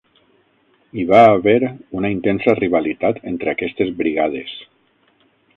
Hi va haver una intensa rivalitat entre aquestes brigades.